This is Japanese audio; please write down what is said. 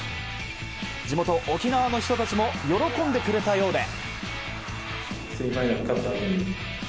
地元・沖縄の人たちも喜んでくれたようで。